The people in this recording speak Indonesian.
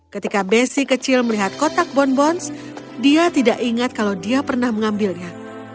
ketika besi kecil melihat kotak bonbons dia tidak ingat kalau dia pernah mengambilnya